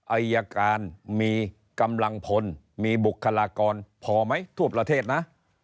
อายการมีกำลังพลมีบุคลากรพอไหมทั่วประเทศนะ